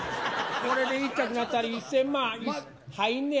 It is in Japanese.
これで１着になったら１０００万入んのや。